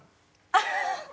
あっ。